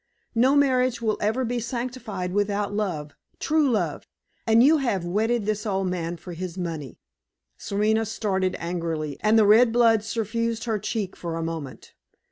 No marriage will ever be sanctified without love true love and you have wedded this old man for his money." Serena started angrily, and the red blood suffused her cheek for a moment.